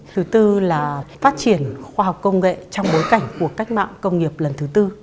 thứ tư là phát triển khoa học công nghệ trong bối cảnh của cách mạng công nghiệp lần thứ tư